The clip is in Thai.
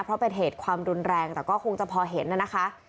เพราะเป็นเหตุความรุนแรงแต่ก็คงจะพอเห็นน่ะนะคะ